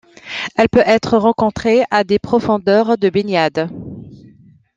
Elle peut être rencontrée à des profondeurs de baignade.